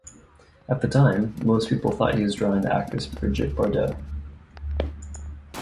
At the time, most people thought he was drawing the actress Brigitte Bardot.